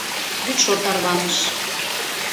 Вӱдшор тарваныш.